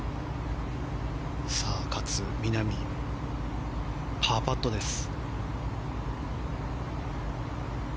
勝みなみ、パーパットです。